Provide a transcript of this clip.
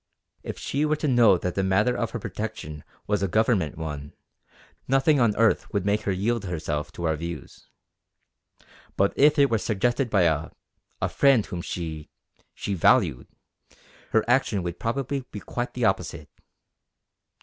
If she were to know that the matter of her protection was a Government one, nothing on earth would make her yield herself to our views. But if it were suggested by a a friend whom she she valued, her action would probably be quite the opposite.